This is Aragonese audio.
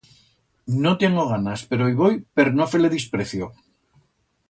No tiengo ganas pero i voi per no fer-le disprecio.